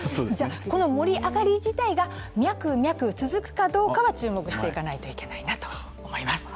この盛り上がり自体がミャクミャク続くかどうかは注目していかないといけないなと思います。